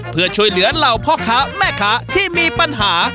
เพื่อช่วยเหลือเหล่าพ่อค้าแม่ค้าที่มีปัญหา